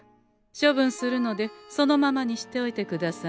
処分するのでそのままにしておいてくださんせ。